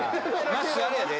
まっすーあれやで。